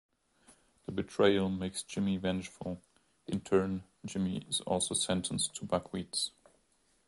The betrayal makes Jimmy vengeful; in turn, Jimmy is also sentenced to buckwheats.